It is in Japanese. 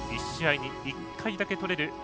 １試合に１回だけとれる。